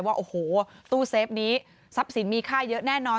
ว่าโอ้โหตู้เซฟนี้ทรัพย์สินมีค่าเยอะแน่นอน